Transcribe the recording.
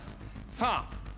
さあ